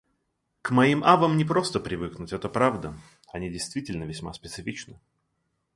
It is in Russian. К моим авам не просто привыкнуть, это правда. Они действительно весьма специфичны.